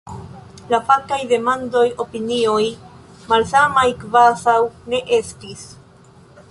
En fakaj demandoj opinioj malsamaj kvazaŭ ne estis.